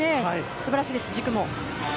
素晴らしいです、軸も。